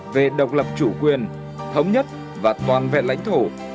về độc lập chủ quyền thống nhất và toàn vẹn lãnh thổ